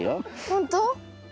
ほんと？